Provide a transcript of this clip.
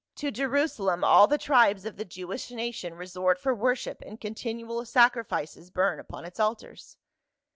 To Jerusa lem all the tribes of the Jewish nation resort for wor ship, and continual sacrifices burn upon its altars."